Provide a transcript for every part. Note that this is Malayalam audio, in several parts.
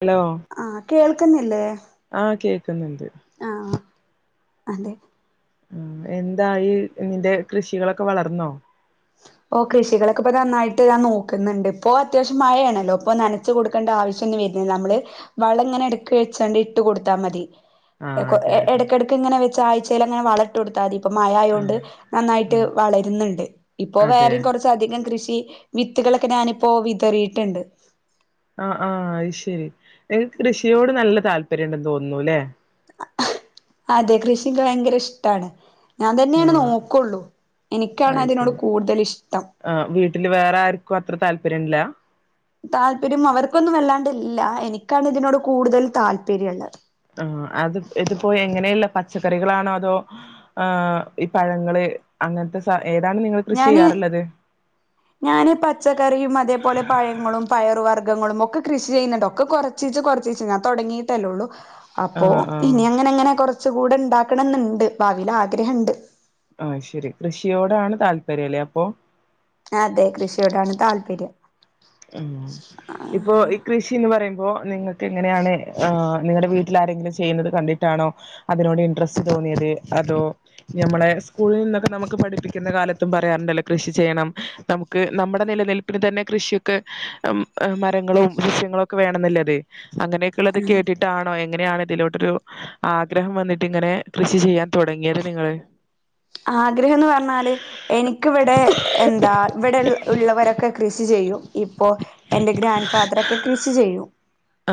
ഹലോ ആഹ് കേൾക്ക്‌ന്നില്ലേ ആഹ് കേക്കുന്നുണ്ട് ആഹ് അതെ ആ എന്തായി ഈ നിന്റെ കൃഷികളൊക്കെ വളർ. ന്നോ ഓ കൃഷികളക്കെ ഇപ്പോ നാൻ നോക്കുന്നുണ്ട് ഇപ്പൊ നന്നായിട്ട് അത്യാവശ്യം മഴ യാണല്ലോ അപ്പൊ നനാ പറ വ കൊടുക്കേണ്ട ആവശ്യം വരുന്നില്ല നമ്മള് വളം ഇങ്ങനെ എടുക്ക വെച്ചണ്ട് ഇട്ട് കൊടുത്താൽ മതി ആഹ് അതെ അതെ എടക്കടക്ക് ഇങ്ങനെ വെച്ച് ആഴ്ചയിൽ അങ്ങനെ വള ട്ടൊടുത്താൽ മതി ഇപ്പ മഴ ആയൊണ്ട് ആഹ് നന്നായിട്ട് ആഹ് വളരുന്നുണ്ട് ഇപ്പോ അതെ വേറെ കൊറ ച് അധികം കൃഷി വിത്തുകളൊക്കെ ഞാനിപ്പോ വിതറിയിട്ട്ണ്ട് ആഹ് ആഹ് അത് ശരി നിങ്ങക്ക് കൃഷിയോട് നല്ല താല്പര്യണ്ട്ന്ന് തോന്നൂന്നുല്ലേ അതെ കൃഷിക്ക് ഭയങ്കര ഇഷ്ടാണ് ഞാൻ തന്നെയാണ് ആഹ് നോക്കൊള്ളൂ എനിക്കാണ് അത് അതിനോട് ശരി കൂടുതൽ ഇഷ്ടം ആഹ് വീട്ടില് വേറെ ആർക്കും അത്ര താല്പര്യം ഇല്ല താല്പര്യം അവർക്കൊന്നും വല്ലാണ്ട്ല്ല എനിക്കാണ് ഇതിനോട് കൂടുതൽ താല്പര്യള്ളത് ആഹ് അത് ഇത്പ്പോ എങ്ങനെയിള്ള പച്ചക്കറികളാണോ അതോ ആഹ് ഈ പഴങ്ങള് അങ്ങനത്തെ ഏതാണ് നിങ്ങള്കൃഷി ഞാന് ചെയ്യാറ്ള്ളത് ഞാന് പച്ചക്കറിയും അതേപോലെ പഴങ്ങളും പയർ വർഗങ്ങളും ഒക്കെ കൃഷി ചെയ്യുന്നുണ്ടൊക്കെ കൊറ ചീച്ചെ കൊറച്ചീച്ചേ ഞാൻ തുടങ്ങീയിട്ടല്ലേള്ളൂ അപ്പോ ആഹ് ആഹ് ഇനി അങ്ങനെ എങ്ങനെ കുറച്ച കൂടെ ഉണ്ടാക്കണംന്ന്ണ്ട് ഭാവിൽ ആഗ്രഹണ്ട് ആഹ് ശരി കൃഷിയോടാണ് താല്പര്യംല്ലേ അപ്പൊ അതെ കൃഷിയോടാണ് താല്പര്യം ഉ ഇപ്പൊ കൃഷിന്ന് പറയുമ്പോൾ നിങ്ങൾക്ക് എങ്ങനെയാണ് നിങ്ങളുടെ വീട്ടിൽ ആരെങ്കിലും ചെയ്യുന്നത് കണ്ടിട്ടാണോ അതിനോട് ഇൻട്രസ്റ്റ് തോന്നിയത് അതോ നഞമ്മളെ സ്കൂളിൽ നിന്നൊക്കെ നമുക്ക് പഠിപ്പിക്കുന്ന കാലത്തും പറയാറുണ്ടല്ലോ കൃഷി ചെയ്യണം നമുക്ക് നമ്മുടെ നിലനിൽ പിൻ തന്നെ കൃഷി ക്കെ മരങ്ങളും വൃശ്യങ്ങളും ഒക്കെ വേണം എന്നല്ലത് അങ്ങനെയൊക്കെ ഉള്ളത് കേട്ടിട്ട് ട്ടാ ണോ എങ്ങനെയാണ് ഇതിലോട്ടൊരു ആഗ്രഹം വന്നിട്ട് ഇങ്ങനെ കൃഷി ചെയ്യാ ആഗ്രഹംന്ന് പറഞ്ഞാല് എനിക്കിവിടെ എന്താ ഇവിടെ ഉള്ളവരൊക്കെ കൃഷി ചെയ്യും ഇപ്പോ എന്റെ ഗ്രാൻഡ് ഫാദറൊക്കെ കൃഷി ചെയ്യും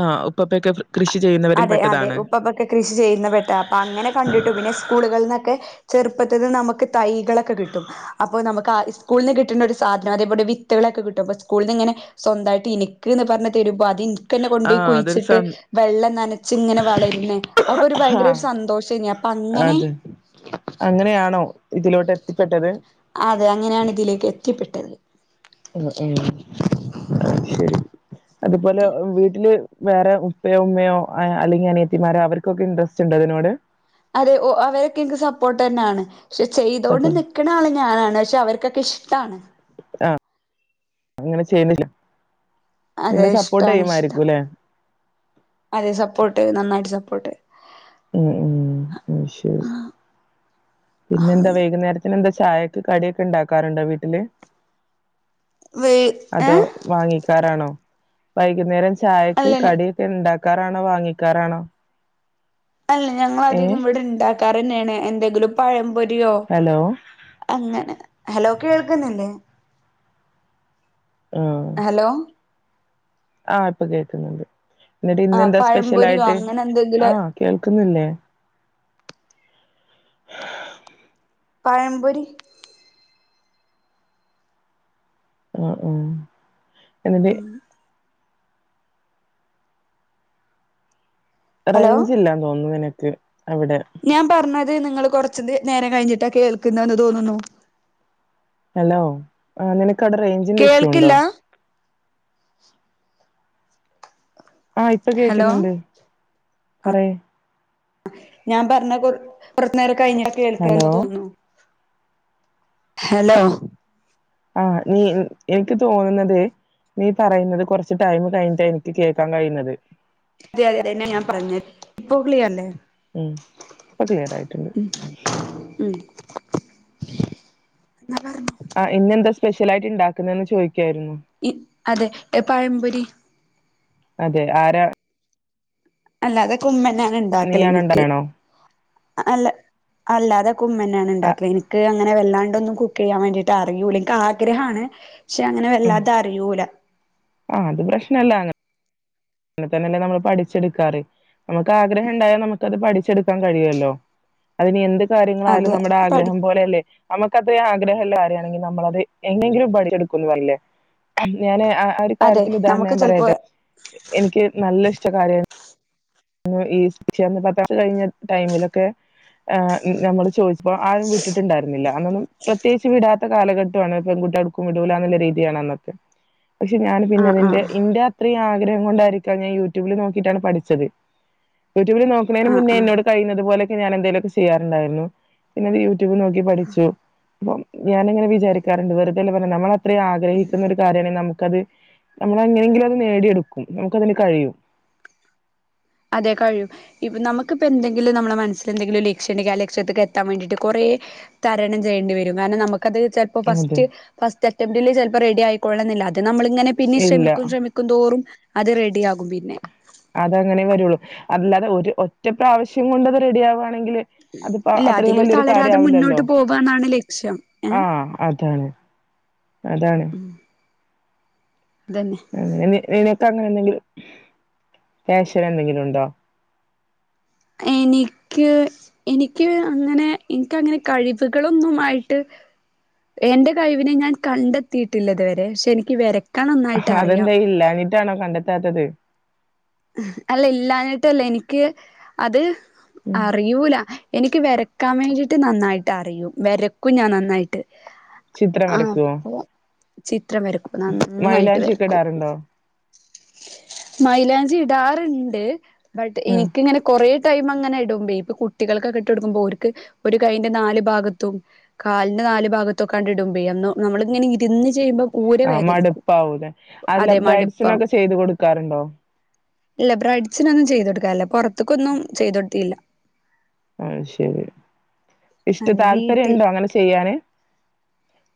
ആഹ് ഉപ്പപ്പൊക്കെ കൃഷി ചെയ്യുന്നവരിൽ അതെ അതെ പെട്ടതാണ് ഉപ്പൊക്കെ കൃഷി ചെയ്യുന്ന പെട്ട അപ്പൊ അങ്ങനെ കണ്ടിട്ടു പിന്നെ സ്കൂളുകളിൽ നിന്നൊക്കെ ചെറുപ്പത്തിൽ നമുക്ക് തൈകളൊക്കെ കിട്ടും അപ്പൊ നമുക്ക് സ്കൂളി നിന്ന് കിട്ടണ്ട ഒരു സാധനം അതെപോലെ വിത്തുകളൊക്കെ കിട്ടും സ്കൂള നിന്ന്ങ്ങനെ സ്വന്തായിട്ട് എനിക്ക് എന്ന് പറഞ് തരുമ്പോ അതിന്ക്ക്ന്നെ കൊണ്ട് പോയി ആഹ് അതൊരു കുഴിച്ചിട്ട് സം വെള്ളം നനച്ച് ഇങ്ങനെ വളരുന്ന അക്കൊ ഒരു ഭയങ്കര ആഹ് ഒരു സന്തോഷം തന്നെയ അപ്പൊ അങ്ങനെ അതെ അങ്ങനെയാണോ ഇതിലോട്ട് എത്തിപ്പെട്ടത് അതെ അങ്ങനെയാണ് ഇതിലേക്ക് എത്തിപ്പെട്ടത് ഉ അ ശരി അതുപോലെ വീട്ടില് വേറെ ഉപ്പയോ ഉമ്മയോ അല്ലെങ്കിൽ അനിയത്തിമാരോ അവർക്ക് ക്കെ ഇൻടറസ്റ്റ് ഉണ്ടൊ ഇതിനോട് അതെ ഓ അവരൊക്കെ എനിക്ക് സപ്പോർട്ട് തന്നെയാണ് പക്ഷെ ചെയ്തൊണ്ട് സപ്പോ നിക്കണ ആള് ഞാനാണ് പക്ഷെ അവർക്കൊക്കെ ഇഷ്ടമാണ് ആഹ് അങ്ങനെ ചെയ്യുന്നില്ല അതെ നിന്നെ സപ്പോർട്ട് ഇഷ്ടാണ് ഇഷ്ടം ചെയ്യമായിരിക്കും അല്ലെ അതെ സപ്പോർട്ട് നന്നായിട്ട് സപ്പോർട്ട് ഉം ഉം അയ്ശരി പിന്നെ എന്താ വൈകുന്നേരത്തിന് എന്താ ചായൊക്കെ കടിയൊക്കെ ഉണ്ടാക്കാറുണ്ടോ വീട്ടില് വേ അതോ ഏഹ് വാങ്ങിക്കാറാണോ വൈകുന്നേരം ചായക്ക് അല്ലന്നെ കടിയൊക്കെ ഉണ്ടാക്കാറാണോ വാങ്ങിക്കാറാണോ അല്ല ഞങ്ങള ഏഹ് അധികം ഇവിടെ ഉണ്ടാക്കാറ്ന്നെയാണ് എന്തെങ്കിലും പഴംപൊരിയോ ഹലോ അങ്ങനെ ഹലോ കേൾക്കുന്നില്ലേ ആഹ് ഹലോ ആഹ് ഇപ്പൊ കേൾക്കുന്നുണ്ട് എന്നിട്ട് ആ ഇന്നെന്താ സ്പെഷ്യൽ പഴംപൊരിയോ ആയിട്ട് അങ്ങനെ എന്തെങ്കിലും ആഹ് കേൾക്കുന്നില്ലേ [unintelligible] പഴംപൊരി ആഹ് ആഹ് എന്നിട്ട് ഹലോ റേഞ്ച് ഇല്ലാ തോന്ന നിനക്ക് അവിടെ ഞാൻ പറഞ്ഞത് നിങ്ങൾ കുറച്ച നേരം കഴിഞ്ഞിട്ടാണ് കേൾക്കുന്ന എന്ന് തോന്നുന്നു ഹലോ ആഹ് നിനക്ക്വിടെ റേച് കേൾക്കില്ല ആഹ് ഇപ്പൊ ഹലോ കേൾക്കുന്നുണ്ട് പറയ് ഞാൻ പറഞ്ഞ കൊ പുറത്തനേരം കഴിഞ്ഞ ഹലോ കേൾക്കന്ന് തോന്നു ഹലോ ആഹ് നീ എനിക്ക് തോന്നുന്നത് നീ പറയുന്നത് കുറച്ച് ടൈം കഴിഞ്ഞിട്ട എനിക്ക് കേൾക്കാൻ കഴിയുന്നത് അതെന്നെ ഞാൻഞ്ഞത് പോ ക്ലിയല്ലേ ഉം ഇപ്പൊ ക്ലിയർ ആയിട്ടുണ്ട് ഉം എന്നാ പറഞ്ഞോ ആഹ് ഇന്നെന്താ സ്പെഷ്യൽ ആായിട്ട് ഇണ്ടാക്കുന്നന്ന് ചോദിക്കായിരുന്നു ഇ അതെ എ പഴംപരി അതെ ആരാ അല്ല അതൊ കുമന്നാണ് ഉണ്ടാക്കല നീയാണോ എനിക്ക് ഇണ്ടാക്കണോ അല്ല അല്ലാതെ ക്കെ ഉമ്മനാണ് ഉണ്ടാക്കുക എനിക്ക് അങ്ങനെ വൊണ്ടൊന്നും കഴിയ്യാൻ വേണ്ടീട്ട് അറൂലക്ക് ആഗ്രഹമാണ് പക്ഷെ അങ്ങനെ വല്ലാത അറിയൂല ആഹ് അത് പ്രശ്ന അല്ല അങ്ങെ തന്നെന്നെ നമ്മള് പഠിച്ചെടുക്കാറ് നമുക്ക് ആഗ്രഹം ഉണ്ടായാ നമുക്കത് പഠിച്ചെടു ൻ കഴിയല്ലോ അതിന് എന്ത് കാര്യങ്ങളായാലും അതെ നമ്മുടെ പഠി ആഗ്രഹം പോലെയല്ലേ നമുക്ക അത്രയും ആഗ്രഹമുള്ള കാര്യമാണെങ്കിൽ നമ്മളത് എങ്ങനെങ്കിലും പഠിച്ചെടുക്കുന്നു അല്ലേ ഞാന് ഒരു അതെ കാര്യത്തി ഉദാഹരണം നമുക്ക് ഞാൻ ചെലപ്പോ പറയട്ടെ എനിക്ക് നല്ല ഇഷ്ട കാര്യ ഈന്ന് പത്ര കഴിഞ്ഞ ടൈമിലൊക്കെ ആഹ് നമ്മള് ചോദിച്ച അപ്പൊ ആരും വിട്ടിട്ടുണ്ടായിരുന്നില്ല അന്നൊന്നും പ്രത്യേകിച്ച് വിടാത്ത ത്തെ കാലഘട്ടമാണ് പെൺകുട്ടി അടുക്കും ഇടുവല എന്നുള്ള രീതിയാണ്ന്നൊക്കെ പക്ഷെ ഞാൻ പിന്നെ ആഹ് അതിന്റെ ആഹ് ഇ ഇത്രയും ആഗ്രഹം കൊണ്ടായിരിക്കാം ഞാൻ യൂട്യൂബിൽ നോക്കിയിട്ടാണ് പഠിച്ചത് യൂട്യൂബിൽ നോക്കുന്നതിന് ആഹ് മുന്നേ ആഹ് എന്നോട് കഴുന്നത് പോലൊക്ക ഞൻ എന്തേലുംക്കെ ചെയ്യാറുണ്ടായിരുന്നു പിന്നെ അത് യൂട്യൂബ് നോക്കി പഠിച്ചു അപ്പം ഞാനങ്ങനെ വിചാരിക്കാറുണ്ട് വെറുതല്ലെ പറ നമ്മള അത്ര ആഗ്രഹിക്കുന്ന ഒരു കാര്യമാണെങ്കിൽ നമുക്കത് നമ്മളെങ്ങനെയെങ്കിലും അത് നേടിയെടുക്കും നമുക്ക അതിന് കഴിയും അതെ കഴിയും ഇപ്പ നമുകിപ്പൊ എന്തെങ്കിലും നമ്മുടെ മനസ്സിൽ എന്തെങ്കിലും ലക്ഷ്യന്റെ ഇണ്ടങ്കിൽ ലക്ഷ്യത്തൊക്ക് എത്താൻ വേണ്ടീട്ട് കുറെ തരണം ചെയ്യേണ്ടി വരും കാരണം നമുക്കത് ഇ അതെ ഫസ്റ്റ് ഫസ്റ്റ് അറ്റംപറ്റിൽ ചിലപ്പോ റെഡി ആയിക്കൊള്ളണമെന്നില്ല ല്ലഅത് നമ്മളിങ്ങനെ പിന്നെ ഇല്ല ശ്രമിക്കും ശ്രിക്ക തോറും അത് റെഡിയകും പിന്നെ അത അങ്ങനെ വരുള്ളൂ അല്ലാതെ ഒരു ഒറ്റ പ്രാവശ്യം കൊണ്ട്ത് റെഡി ആവാണെങ്കില് അതിപ്പോ ഇല്ല അത്രയും അതില് വലിയൊരു കാര്യ തളരാതെ ആവില്ലല്ലോ മുന്നോട്ട് പോവാന്നാണ് ലക്ഷ്യം ഏഹ് ആഹ് അതാണ് അതാണ് അതന്നെ അഹ് നിനക്ക് അങ്ങനെ എന്തെങ്കിലും ശന എന്തെങ്കിലും ഉണ്ടോ എനിക്ക് എനിക്ക് അങ്ങനെ എനിക്ക്ങ്ങനെ കഴിവുകളൊന്നുംമായിട്ട് എന്റെ കഴിവിനെ ഞാൻ കണ്ടെത്തിയിട്ടില്ലത്വരെ പക്ഷെ എനിക്ക് വര അതെന്താ ഇല്ലന്നിട്ടാണോ കണ്ടെത്താത്തത് അല്ല ഇല്ലാനിട്ടല്ല എനിക്ക് അത് ഉം അറൂയൂല എനിക്ക് വരക്കാൻ വേണ്ടിട്ട് നന്നായിട്ട് അറിയും വരക്കും ഞാൻ നന്നായിട്ട് ചിത്രം ആഹ് വരക്കുവോ അപ്പൊ ചിത്രം വരക്കും നന്നായിട്ട് മൈലാഞ്ചിയൊക്കെ വരക്കും ഇടാറുണ്ടോ മൈലാഞ്ചി ഇടാറുണ്ട് ബട്ട് ഉം എനിക്ക് ഇങ്ങനെ കൊറേ ടൈം അങ്ങനെ ഇടുമ്പേ ഇപ്പൊ കുട്ടികൾക്ക് ഒക്കെ ഇട്ട് കൊടുക്കുമ്പോ ഒരിക്ക് ഒരു കൈയിന്റെ നാല് ഭാഗത്തും കാലിന് നാല് ഭാഗത്ത് ഒക്കെ ഇടുമ്പേ നമ്മളിങ്ങനെ ഇരുന്ന് ചെയ്യുമ്പോ ഊരെ ആഹ് വേദനിക്കും മടിപ്പാവൂലെ അല്ല അതെ ബ്രൈഡ്സിന് മടുപ്പാവും ഒക്കെ ചെയ്യ്ത് കൊടുക്കാറ്ണ്ടോ ഇല്ല ബ്രൈറ്റ്സിന് ഒന്നും ചെയ്യ്ത് കൊടുക്കാറില്ല പുറത്തക്കൊന്നും ചെയ്യ്ത് കൊടുത്തില്ല ആയ്ശരി ഇഷ്ട്ട അത് താല്പര്യം വീട്ടിൽ ഇണ്ടോ അങ്ങനെ ചെയ്യാന്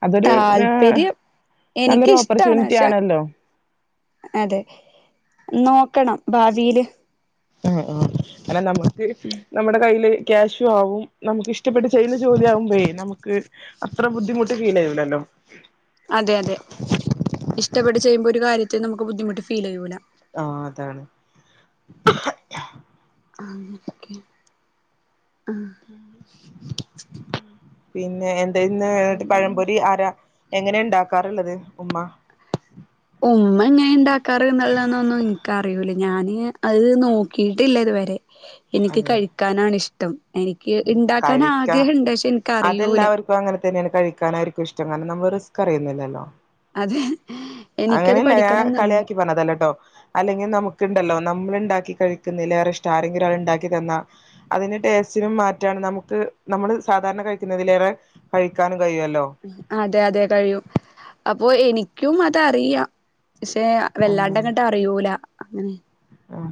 അതൊരു ആ താല്പര്യം എനിക്ക് നല്ലൊരു ഇഷ്ട്ടാണ് ഓപ്പർച്യൂണിറ്റി പക്ഷെ ആണല്ലോ അതെ നോക്കണം ഭാവിൽ ആഹ് ആഹ് അല്ലെ നമ്മക്ക് നമ്മുടെ കയ്യില് ക്യാഷും ആവും നമുക്ക് ഇഷ്ടപ്പെട്ട് ചെയ്യുന്ന ജോലി ആകുമ്പേ നമുക്ക് അത്ര ബുദ്ധിമുട്ട് ഫീലേയ്യൂലല്ലോ അതെ അതെ ഇഷ്ട്ടപ്പെട്ട് ചെയ്യുമ്പോ ഒരു കാര്യത്തെ നമുക്ക് ബുദ്ധിമുട്ട് ഫീൽ ചെയ്യൂല ആഹ് അതാണ് അങ്ങനെ ഒക്കെണ് ആഹ് പിന്നെ എന്തേ ഇന്ന് വീ പഴംപൊരി ആരാ എങ്ങനെ ഉണ്ടാക്കാറ് ഒള്ളത് ഉമ്മ ഓഹ് ഉമ്മ എങ്ങേ ഇണ്ടാക്കാറ് എന്ന് ഒള്ളത് ഒന്നും ഒന്നും എനിക്ക് അറിയൂലേ ഞാനീ അത് നോക്കിയിട്ടില്ല ഇതുവരെ എനിക്ക് അതെ കഴിക്കാനാണ് ഇഷ്ടം എനിക്ക് ഇണ്ടാക്കാൻ ആഗ്രഹം എണ്ട് പക്ഷെ എനിക്ക് അറിയൂല ഇപ്പ അങ്ങനത്തെന്നെയാണ് കഴിക്കാനായിരിക്കും ഇഷ്ടം കാരണം നമ്മള് റിസ്ക് അറിയുന്ന് ഇല്ലല്ലോ അതെ അങ്ങനെയല്ല ഞാൻ കളിയാക്കി പറഞ്ഞതല്ലേട്ടോ അല്ലെങ്കിൽ നമുക്ക് ഇണ്ടല്ലോ നമ്മൾ ഇണ്ടാക്കി കഴിക്കുന്നയില് ഏറെ ഇഷ്ടം ആരെങ്കിലും ഒരാൾ ഇണ്ടാക്കി തന്നാ അതിന്റെ ടേസ്റ്റിനും മാറ്റാണ് നമുക്ക് നമ്മള് സാധാരണ കഴിക്കുന്നതിലേറെ കയിക്കാനും കയ്യുവല്ലോ അതെ അതെ കഴിയും അപ്പൊ എനിക്കും അതറിയാം പക്ഷെ അങ്ങനെ വെല്ലാണ്ടങ്ങോട്ട് അറിയൂല അങ്ങനെ ആഹ്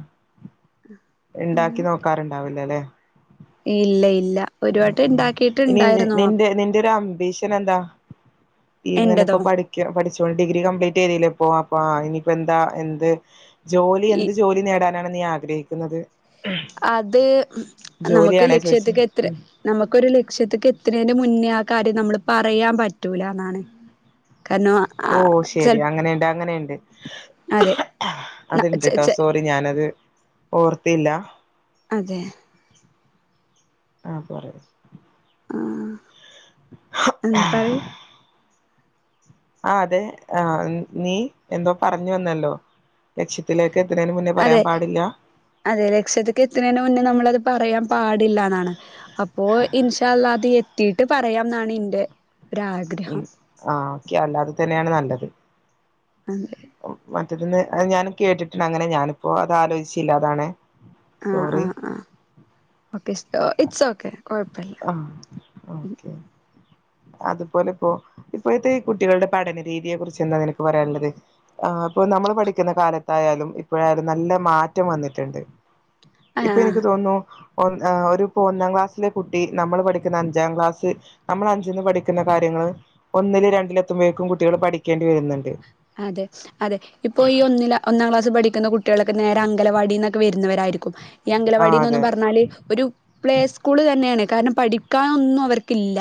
എണ്ടാക്കി നോക്കാറുണ്ടാവൂല അല്ലെ ഇല്ല ഇല്ല ഉം ഒരുവട്ടം ഉം ഇനി ഇണ്ടാക്കിട്ടുണ്ടായിരുന്നു നിന്റെ അപ്പൊ നിന്റെ ഒരു അംബീഷൻ എന്താ ഇങ്ങനെപ്പൊ എന്റതോ പഠി ക്കിയ പഠിച്ചോണ്ട് ഡിഗ്രി കംപ്ലീറ്റ് ചെയ്തില്ല ഇപ്പോ അപ്പ ഇനിപ്പോ എന്താ എന്ത് ജോലി ഈ എന്ത് ജോലി നേടാനാണ് നീ ആഗ്രഹിക്കുന്നത് അത് നമുക്ക് ജോലിയാണേ ചോദിച്ചു ലക്ഷ്യത്തക്ക് എത്ര നമുക്കരു ലക്ഷ്യത്തക്ക് എത്തുന്നതിന് മുന്നേ ആ കാര്യം നമ്മള് പറയാൻ പറ്റൂലന്നാണ് കണോ ഓഹ് ശരി അങ്ങനെയുണ്ട് അങ്ങനെയുണ്ട് അതെ ന അത് എണ്ട് ചെ ട്ടോ ചെ സോറി പ്ലീ ഞാനത് ഓർത്തില്ല അതെ ആ പറയൂ ആഹ്‌ എ പറയൂ ആഹ്‌ അതെ ആ നീ എന്തോ പറഞ്ഞു വന്നല്ലോ ലക്ഷ്യത്തിലേക്ക് എത്തണേന് മുന്നേ പറയാൻ അതെ പാടില്ല അതെ ലക്ഷ്യത്ത്ക്ക് എത്ത്ണേന്റെ മുന്നേ നമ്മളത് പറയാൻ പാടില്ല എന്നാണ് അപ്പോ ഇൻഷാ അല്ലാഹ് അത് എത്തിയിട്ട് പറയാംന്നാണ് ഇന്റെ ഒരാഗ്രഹം ആഹ് ഓക്കെ അല്ലാതെ തന്നെയാണ് നല്ലത് ആഹ് അതെ ഓ മറ്റേത്ന്ന് അത് ഞാൻ കേട്ടിട്ട്ണ്ട് അങ്ങനെ ഞാനിപ്പോ അത് ആലോചിച്ചില്ല അതാണ് ആഹ സോറി ആഹ ആഹ്‌ ഓക്കെ ഇറ്റ്സ് ഓക്കെ കുഴപ്പില്ല ആഹ്‌ ഓക്കെ അതുപോലെ ഇപ്പോ ഇപ്പോഴത്തെ ഈ കുട്ടികളുടെ പഠന രീതിയെ കുറിച്ച് എന്താ നിനക്ക് പറയാനുള്ളത് ആഹ്‌ ഇപ്പൊ നമ്മൾ പഠിക്കുന്ന കാലത്തായാലും ഇപ്പഴായാലും നല്ല മാറ്റം വന്നിട്ടുണ്ട് ഇപ്പൊ ആഹ് എനിക്ക് തോന്നുന്നു ഒര് ഒരു ഇപ്പൊ ഒന്നാം ക്ലാസ്സിലെ കുട്ടി നമ്മൾ പഠിക്കുന്ന അഞ്ചാം ക്ലാസ്സ് നമ്മൾ ന്ന് പഠിക്കുന്ന കാര്യങ്ങൾ ഒന്നില് രണ്ടിലെത്തുമ്പേഴ്ക്കും കുട്ടികൾ പഠിക്കേണ്ടി വരുന്നുണ്ട് അതെ അതെ ഇപ്പൊ ഈ ഒന്നില് ഒന്നാം ക്ലാസ്സ് പഠിക്കുന്ന കുട്ടികളൊക്കെ നേരെ അങ്കലവാടിന്നൊക്കെ വരുന്നവരായിരിക്കും ഈ ആഹ് അംഗലവാടിന്നൊന്നും അതെ പറഞ്ഞാല് ഒരു പ്ലേ സ്കൂള് തന്നെയാണ് കാരണം പഠിക്കാനൊന്നും അവർക്കില്ല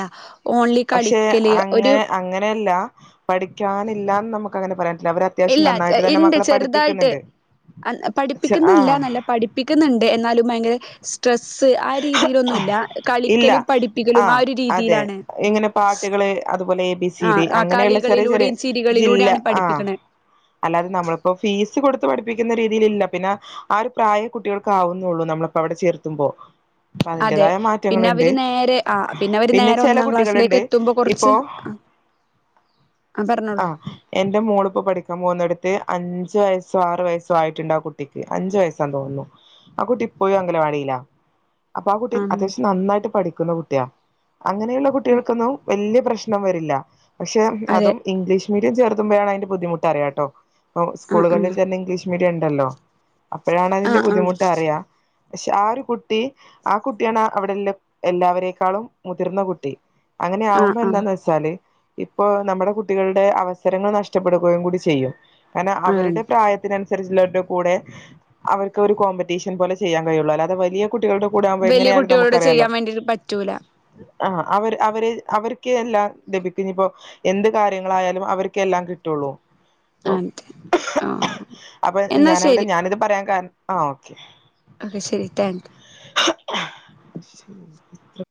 ഓൺലി പക്ഷെ കളിക്കല് ഒരു അങ്ങനെ അങ്ങനെയല്ല പഠിക്കാനില്ലാന്ന് നമുക്ക് അങ്ങനെ പറയാൻ പറ്റില്ല അവര് അത്യാവശ്യം ഇല്ല നന്നായിട്ട് തന്നെ ഇണ്ട് മക്കളെ ചെറുതായിട്ട് പഠിപ്പിക്കുന്നുണ്ട് ആഹ് പഠിപ്പിക്കുന്നില്ലന്നല്ല പഠി പിക്കുന്നുണ്ട് എന്നാലും ഭയങ്കര സ്ട്രെസ്സ് ആ രീതിയിലൊന്നുംല്ല ഇല്ല കളിക്കലും പഠിപ്പിക്കലും ആ ആഹ് ഒരു അതെ രീതിയിലാണ് ഇങ്ങനെ പാട്ടുകള് അതുപോലെ എ ബി സി ആ ഡി ആ അങ്ങനെയുള്ള ചെറിയ ചെറിയ കളികളിലൂടെയും ജില്ല ചിരികളിലൂടെയാണ് ആഹ്‌ പഠിപ്പിക്കണേ അല്ലാതെ നമ്മളിപ്പോ ഫീസ് കൊടുത്ത് പഠിപ്പിക്കുന്ന രീതിയില് ഇല്ല പിന്നെ ആ ഒരു പ്രായേ കുട്ടികൾക്ക് ആവുന്നുള്ളൂ നമ്മളിപ്പോ അവിടെ ചേർത്തുമ്പോ അപ്പൊ അതെ അതിന്റേതായ പിന്നെ മാറ്റങ്ങളുണ്ട് അവര് നേരെ ആ പിന്നെ അവര് നേരെ ചെല ഒന്നാം ക്ലാസ്സിലേക്ക് കുട്ടികളുണ്ട് എത്തുമ്പോ ഇപ്പോ കുറച്ച് ആ പറഞ്ഞോളൂ ആഹ് എന്റെ മോളിപ്പോ പഠിക്കാൻ പോകുന്നിടുത്ത് അഞ്ചു വയസ്സോ ആറു വയസ്സോ ആയിട്ടുണ്ട് ആ കുട്ടിക്ക് അഞ്ചു വയസ്സാ തോന്നുന്നു ആ കുട്ടി ഇപ്പോഴും അങ്കനവാടിയിലാ അപ്പൊ ആ കുട്ടി അത്യാവശ്യം നന്നായിട്ട് പഠിക്കുന്ന കുട്ടിയാ അങ്ങനെയുള്ള കുട്ടികൾക്കൊന്നും വലിയ പ്രശ്നം വരില്ല പക്ഷെ അതെ അതും ഇംഗ്ലീഷ് മീഡിയം ചേർത്തുമ്പോഴാണ് അതിന്റെ ബുദ്ധിമുട്ട് അറിയാട്ടോ പ്പോ ആ ആ സ്കൂളുകളിൽ തന്നെ ഇംഗ്ലീഷ് മീഡിയം ഉണ്ടല്ലോ അപ്പഴാണ് ആ അതിന്റെ ബുദ്ധിമുട്ട് അറിയാ പക്ഷെ ആ ഒരു കുട്ടി ആ കുട്ടിയാണ് അവിടെള്ള എല്ലാവരേക്കാളും മുതിർന്ന കുട്ടി അങ്ങനെ ആ ആ ആവുമ്പോ ആ എന്താന്ന് വെച്ചാല് ഇപ്പൊ നമ്മുടെ കുട്ടികളുടെ അവസരങ്ങൾ നഷ്ടപ്പെടുകയും കൂടി ചെയ്യും കാരണം ആ അവരുടെ പ്രായ തിനനുസരിച്ചുള്ളരുടെ കൂടെ അവർക്ക് ഒരു കോമ്പറ്റീഷൻ പോലെ ചെയ്യാൻ കഴിയുള്ളൂ അല്ലാതെ വലിയ കുട്ടികളുടെ കൂടാമ്പോ വലിയ എങ്ങനെയാലും കുട്ടികളോട് നമുക്കറിയാലോ ചെയ്യാൻ വേണ്ടിട്ട് പറ്റൂല ആഹ്‌ അവര് അവര് അവർക്ക് എല്ലാം ലഭിക്കും ഇനി ഇപ്പോ എന്ത് കാര്യങ്ങളായാലും അവർക്കെല്ലാം കിട്ടുള്ളൂ അതെ ആ അപ്പൊ എന്നാ ഞാനവിടെ ശരി ഞാനിത് പറയാൻ കാരണം ആ ഓക്കെ ഓക്കെ ശരി താങ്ക് യൂ [unintelligible]